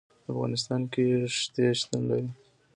په افغانستان کې ښتې شتون لري.